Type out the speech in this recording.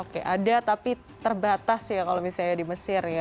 oke ada tapi terbatas ya kalau misalnya di mesir ya